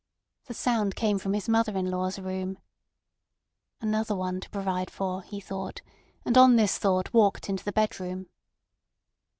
The sound came from his mother in law's room. Another one to provide for, he thought—and on this thought walked into the bedroom.